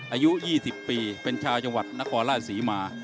อายุ๒๐ปีเป็นชาวจังหวัดนครราชศรีมา